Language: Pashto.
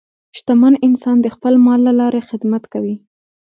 شتمن انسان د خپل مال له لارې خدمت کوي.